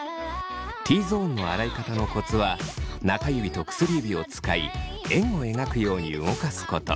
Ｔゾーンの洗い方のコツは中指と薬指を使い円を描くように動かすこと。